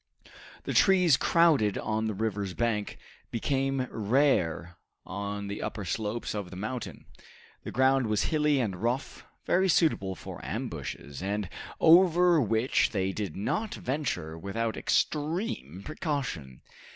The trees, crowded on the river's bank, became rare on the upper slopes of the mountain. The ground was hilly and rough, very suitable for ambushes, and over which they did not venture without extreme precaution.